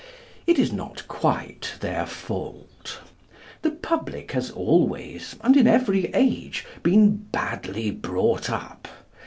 It is not quite their fault. The public has always, and in every age, been badly brought up.